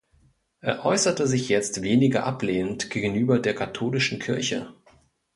Er äußerte sich jetzt weniger ablehnend gegenüber der katholischen Kirche.